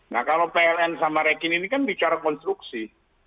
nah kalau pln sama rekin ini kan bicara konstruksi